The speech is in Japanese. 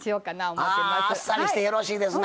あっさりしてよろしいですな。